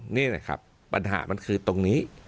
นี่แหละครับปัญหามันคือตรงนี้